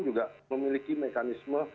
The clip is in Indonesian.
juga memiliki mekanisme